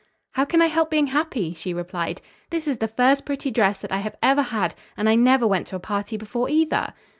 "How can I help being happy?" she replied. "This is the first pretty dress that I have ever had and I never went to a party before, either."